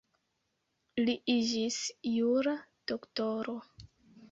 Li iĝis jura doktoro.